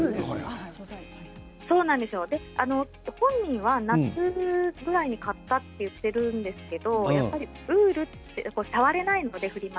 本人は夏ぐらいに買ったと言っているんですけどやっぱりウールって触れないのでフリマ